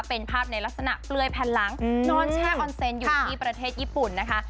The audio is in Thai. เป็นภาพในลักษณะเปลือยแผ่นหลังนอนแช่ออนเซนอยู่ที่ประเทศญี่ปุ่นนะคะ